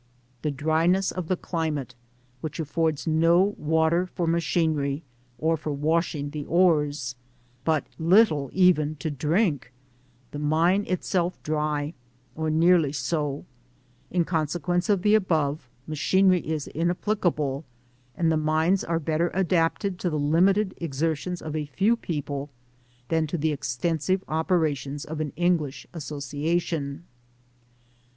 The dryness of the climate, which affords no water for machinery, or for washing the ores ; but little even to drink; the mine itself dry, or nearly 5o» In consequence of the above, machinery is inapplicable, aiid the mines are better adapted to the limited exertions of a few people, than to the extensive operations of an English assodatioo.